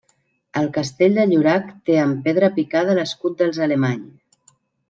El castell de Llorac té en pedra picada l'escut dels Alemany.